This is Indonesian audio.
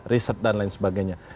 riset dan lain sebagainya